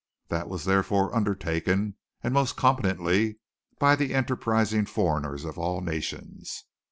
That was therefore undertaken and most competently by the enterprising foreigners of all nations.